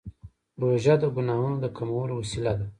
روژه د ګناهونو د کمولو وسیله ده.